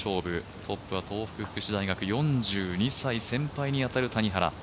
トップは東北福祉大学先輩に当たる４２歳の谷原。